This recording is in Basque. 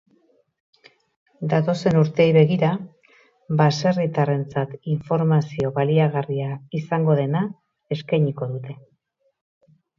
Datozen urteei begira, baserritarrentzat informazio baliagarria izango dena eskainiko dute.